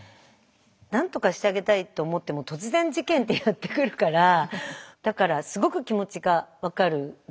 なんとかしてあげたいって思っても突然事件ってやって来るからだからすごく気持ちが分かるのね。